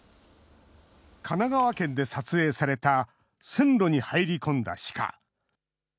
神奈川県で撮影された、線路に入り込んだシカ。